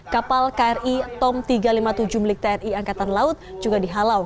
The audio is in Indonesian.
kapal kri tom tiga ratus lima puluh tujuh milik tni angkatan laut juga dihalau